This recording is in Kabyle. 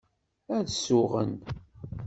Ad suɣen.